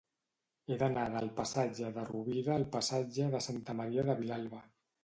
He d'anar del passatge de Rovira al passatge de Santa Maria de Vilalba.